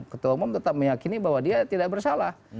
ketua umum tetap meyakini bahwa dia tidak bersalah